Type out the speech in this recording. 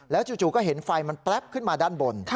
จู่ก็เห็นไฟมันแป๊บขึ้นมาด้านบน